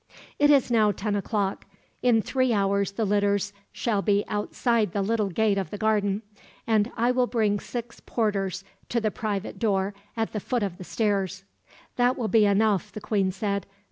"It is now ten o'clock. In three hours the litters shall be outside the little gate of the garden, and I will bring six porters to the private door at the foot of the stairs." "That will be enough," the queen said.